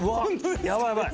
やばいやばい。